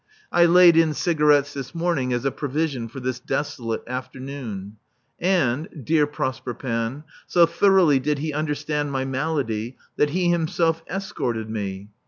(I laid in cigarettes this morning as a provision for this desolate afternoon.) And dear Prosper Panne so thoroughly did he understand my malady, that he himself escorted me.